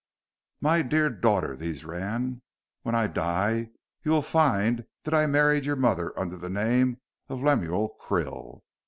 "My dear daughter," these ran, "when I die you will find that I married your mother under the name of Lemuel Krill.